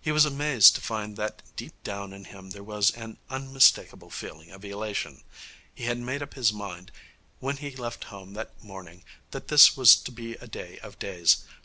He was amazed to find that deep down in him there was an unmistakable feeling of elation. He had made up his mind, when he left home that morning, that this was to be a day of days.